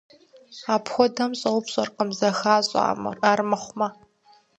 Апхуэдэм щӏэупщӏэркъым, зэхащӏэ армыхъум.